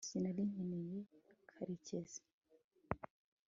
sinari nkeneye karekezi